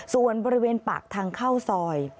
ส่วนบริเวณปากทางเข้าซอย